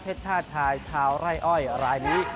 ชาติชายชาวไร่อ้อยรายนี้